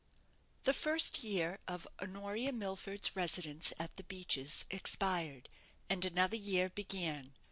The first year of Honoria Milford's residence at "The Beeches" expired, and another year began.